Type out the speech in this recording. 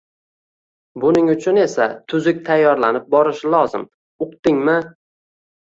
Buning uchun esa tuzuk tayyorlanib borishi lozim, uqdingmi